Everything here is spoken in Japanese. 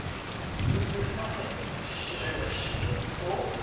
これで左辺の白が死ぬのと。